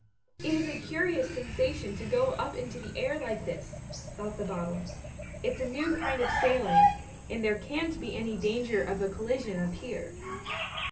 "" It is a curious sensation to go up into the air like this! " thought the bottle. " It's a new kind of sailing, and there can't be any danger of a collision up here!